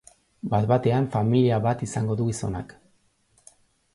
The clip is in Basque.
Bat-batean, familia bat izango du gizonak.